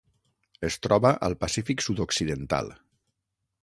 Es troba al Pacífic sud-occidental.